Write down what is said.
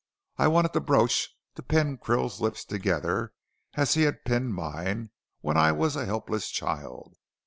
I wanted the brooch to pin Krill's lips together as he had pinned mine, when I was a helpless child.